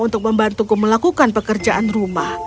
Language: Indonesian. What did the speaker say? untuk membantuku melakukan pekerjaan rumah